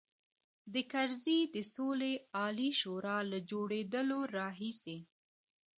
د کرزي د سولې عالي شورا له جوړېدلو راهیسې.